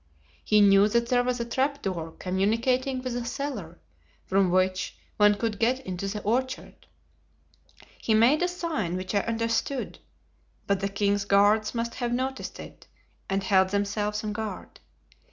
He knew that there was a trap door communicating with a cellar, from which one could get into the orchard. He made a sign, which I understood, but the king's guards must have noticed it and held themselves on guard.